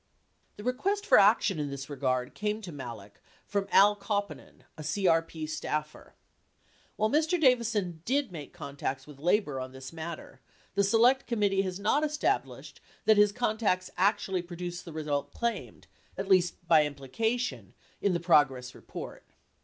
The request for action in this regard came to Malek from A1 Kau pinen, a CRP staffer. 93 While Mr. Davison did make contacts with Labor on this matter, the Select Committee has not established that his contacts actually pro duced the result claimed, at least by implication, in the progress report.